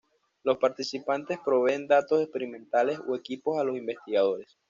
Los participantes proveen datos experimentales o equipos a los investigadores.